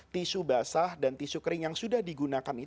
tisu basah dan tisu kering yang sudah digunakan